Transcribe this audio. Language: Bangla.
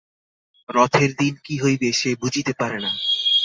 রথের দিন কী হইবে সে বুঝিতে পারে না।